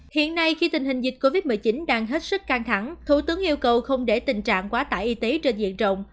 hiện nay khi tình hình dịch covid một mươi chín đang hết sức căng thẳng thủ tướng yêu cầu không để tình trạng quá tải y tế trên diện rộng